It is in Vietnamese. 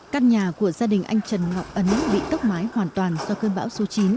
căn nhà của gia đình anh trần ngọc ấn bị tốc mái hoàn toàn do cơn bão số chín